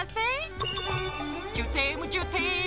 ジュテームジュテーム。